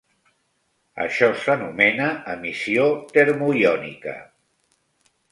Això s'anomena emissió termoiònica.